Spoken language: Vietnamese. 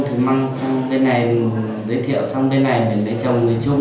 thì mang sang bên này giới thiệu sang bên này để lấy chồng người trung